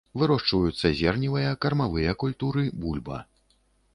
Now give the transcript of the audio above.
Вырошчваюцца зерневыя, кармавыя культуры, бульба.